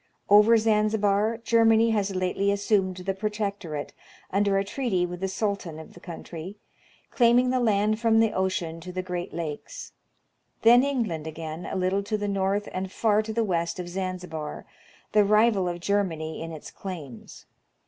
Over Zanzibar, Germany has lately assumed the protec torate, under a treaty with the Sultan of the country, claiming the land from the ocean to the great lakes ; then England again, a little to the north and far to the west of Zanzibar, the rival of Germany in its claims.